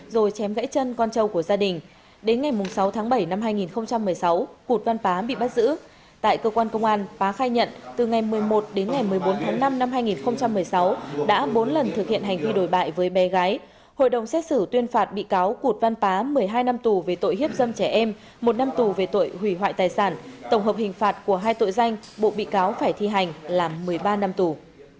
tổng hợp hình phạt của hai tội danh bộ bị cáo phải thi hành là một mươi ba năm tù